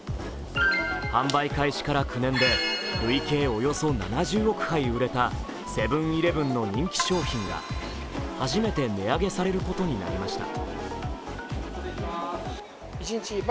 販売開始から９年で累計およそ７０億杯売れたセブン−イレブンの人気商品が初めて値上げされることになりました。